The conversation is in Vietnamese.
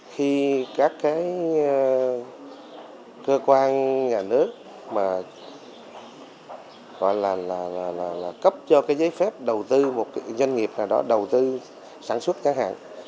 khi các cơ quan nhà nước cấp cho giấy phép đầu tư một doanh nghiệp nào đó đầu tư sản xuất nhà hàng